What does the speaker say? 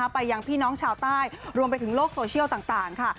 ไปยังพี่น้องชาวใต้รวมไปถึงโลกโซเชียลต่างค่ะ